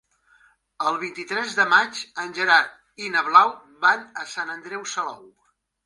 El vint-i-tres de maig en Gerard i na Blau van a Sant Andreu Salou.